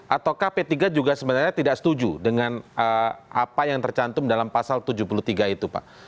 ataukah p tiga juga sebenarnya tidak setuju dengan apa yang tercantum dalam pasal tujuh puluh tiga itu pak